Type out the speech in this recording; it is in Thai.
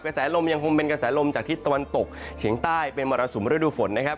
แสลมยังคงเป็นกระแสลมจากทิศตะวันตกเฉียงใต้เป็นมรสุมฤดูฝนนะครับ